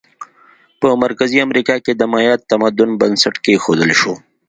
په مرکزي امریکا کې د مایا تمدن بنسټ کېښودل شو.